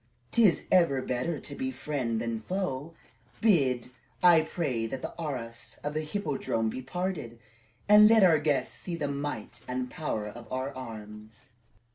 'T is ever better to be friend than foe. Bid, I pray, that the arras of the Hippodrome be parted, and let our guests see the might and power of our arms."